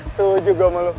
setuju gua sama lu